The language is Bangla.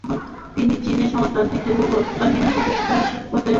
তিনিই চীনে "সমাজতান্ত্রিক যুব বাহিনী" প্রতিষ্ঠা করতে অর্থসাহায্য করেন।